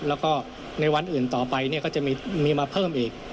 แล้วก็ในวันอื่นต่อไปก็จะมีมาเพิ่มอีก